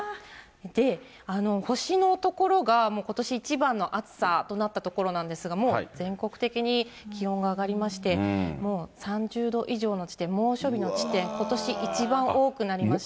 で、星の所がことし一番の暑さとなった所なんですが、もう全国的に気温が上がりまして、もう３０度以上の地点、猛暑日の地点、ことし一番多くなりました。